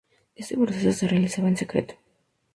Este proceso se realizaba en secreto.